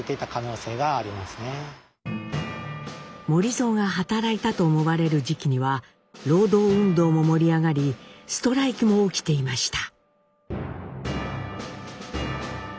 守造が働いたと思われる時期には労働運動も盛り上がりストライキも起きていました。